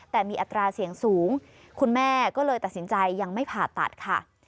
แต่มีอัตราเสี่ยงสูงคุณแม่ก็เลยตัดสินใจยังไม่ผ่าตัดค่ะ